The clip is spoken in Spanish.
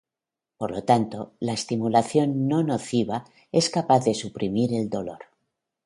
Por lo tanto, la estimulación no nociva es capaz de suprimir el dolor.